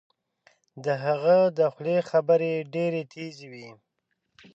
د هغه د خولې خبرې ډیرې تېزې وې